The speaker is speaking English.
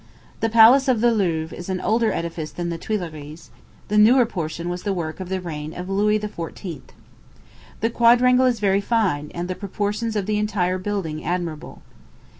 The palace of the Louvre is an older edifice than the Tuileries; the newer portion was the work of the reign of Louis XIV. The quadrangle is very fine, and the proportions of the entire building admirable.